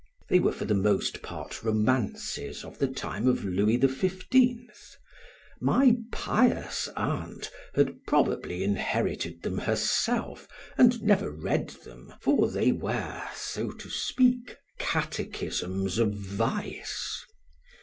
They were for the most part romances of the time of Louis XV; my pious aunt had probably inherited them herself and never read them, for they were, so to speak, catechisms of vice.